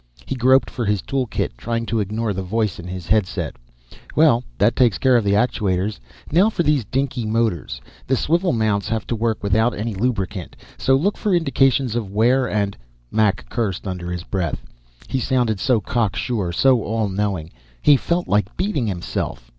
He groped for his tool kit, trying to ignore the voice in his headset. "Well, that takes care of the actuators. Now for these dinky motors. The swivel mounts have to work without any lubricant, so look for indications of wear and " Mac cursed under his breath. He sounded so cocksure, so all knowing. He felt like beating himself.